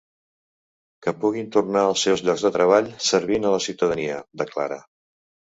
Que puguin tornar als seus llocs de treball servint a la ciutadania, declara.